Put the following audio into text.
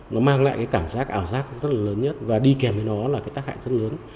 nó mang lại cái cảm giác ảo giác rất là lớn nhất và đi kèm với nó là cái tác hại rất lớn